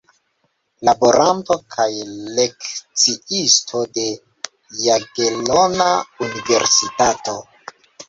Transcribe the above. Laboranto kaj lekciisto de Jagelona Universitato.